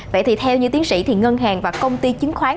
vậy thì theo như tiến sĩ thì ngân hàng và công ty chứng khoán